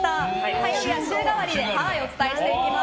火曜日は週替わりでお伝えしていきます。